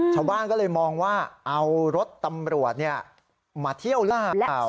ชาวบ้านก็เลยมองว่าเอารถตำรวจมาเที่ยวลากเขา